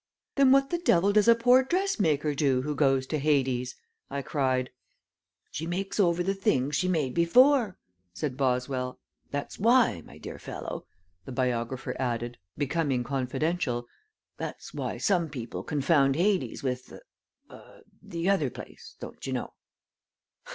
"Then what the devil does a poor dress maker do who goes to Hades?" I cried. "She makes over the things she made before," said Boswell. "That's why, my dear fellow," the biographer added, becoming confidential "that's why some people confound Hades with ah the other place, don't you know."